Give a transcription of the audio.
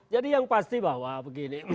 jadi yang pasti bahwa begini